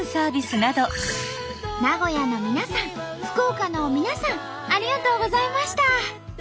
名古屋の皆さん福岡の皆さんありがとうございました！